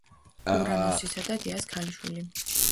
ურანოსისა და გეას ქალიშვილი.